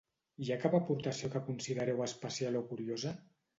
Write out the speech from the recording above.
Hi ha cap aportació que considereu especial o curiosa?